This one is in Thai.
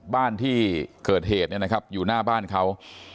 บ้านที่เกิดเหตุอยู่หน้าบ้านเขา